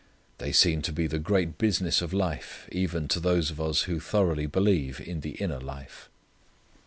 They seem to be the great business of life even to those of us who thoroughly believe in the inner life.